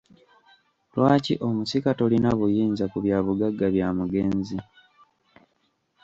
Lwaki omusika tolina buyinza ku bya bugagga bya mugenzi.